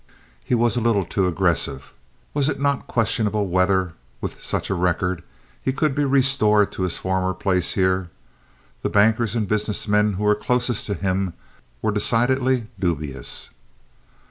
He was a little too aggressive. Was it not questionable whether—with such a record—he could be restored to his former place here? The bankers and business men who were closest to him were decidedly dubious.